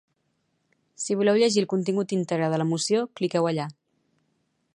Si voleu llegir el contingut íntegre de la moció, cliqueu allà.